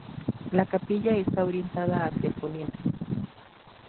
La capilla está orientada hacia el poniente.